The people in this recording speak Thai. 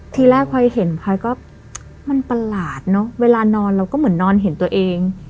ทีแรกพลอยเห็นพลอยก็มันประหลาดเนอะเวลานอนเราก็เหมือนนอนเห็นตัวเอง